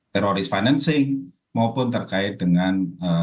teroris financing maupun terkait dengan